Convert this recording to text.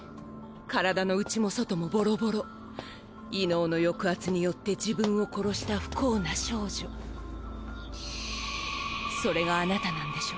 体の内も外もボロボロ異能の抑圧によって自分を殺した不幸な少女それがあなたなんでしょ？